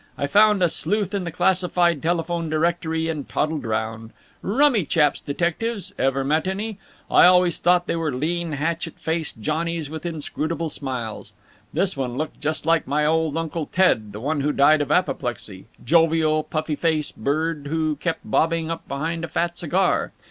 I found a sleuth in the classified telephone directory, and toddled round. Rummy chaps, detectives! Ever met any? I always thought they were lean, hatchet faced Johnnies with inscrutable smiles. This one looked just like my old Uncle Ted, the one who died of apoplexy. Jovial, puffy faced bird, who kept bobbing up behind a fat cigar.